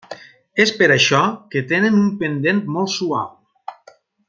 És per això que tenen un pendent molt suau.